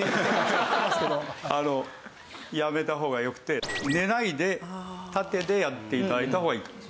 やめた方がよくて寝ないで縦でやって頂いた方がいいと思いますね。